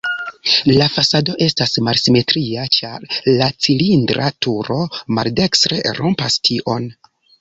La fasado estas malsimetria, ĉar la cilindra turo maldekstre rompas tion.